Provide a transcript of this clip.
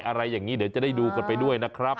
อะไรอย่างนี้เดี๋ยวจะได้ดูกันไปด้วยนะครับ